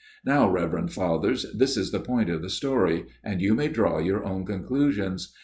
" Now, Reverend Fathers, this is the point of the story, and you may draw your own conclusions.